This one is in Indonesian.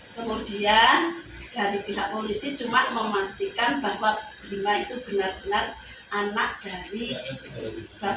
kemudian dari pihak polisi cuma memastikan bahwa prima itu benar benar anak dari bapak